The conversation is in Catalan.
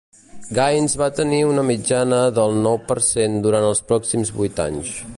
Gains va tenir una mitjana del nou per cent durant els pròxims vuit anys.